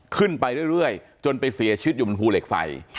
ขึ้นไปเรื่อยจนไปเสียชีวิตอยู่บนภูเหล็กไฟ